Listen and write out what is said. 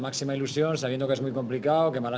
terima kasih banyak banyak untuk dukungan anda